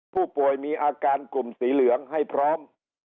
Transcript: ผู้ป่วยมีอาการกลุ่มสีเหลืองให้พร้อม